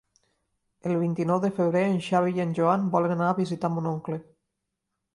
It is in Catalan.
El vint-i-nou de febrer en Xavi i en Joan volen anar a visitar mon oncle.